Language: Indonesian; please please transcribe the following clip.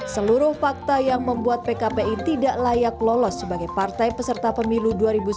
seluruh fakta yang membuat pkpi tidak layak lolos sebagai partai peserta pemilu dua ribu sembilan belas